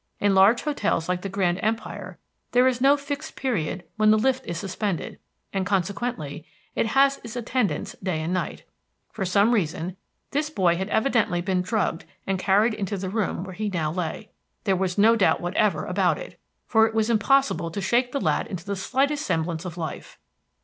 In large hotels like the Grand Empire there is no fixed period when the lift is suspended, and consequently, it has its attendants night and day. For some reason, this boy had evidently been drugged and carried into the room where he now lay. There was no doubt whatever about it, for it was impossible to shake the lad into the slightest semblance of life.